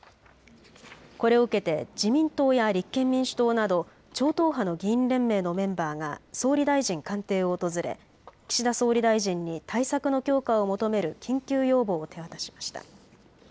これを受けて自民党や立憲民主党など超党派の議員連盟のメンバーが総理大臣官邸を訪れ岸田総理大臣に対策の強化を求める緊急要望を手渡しました。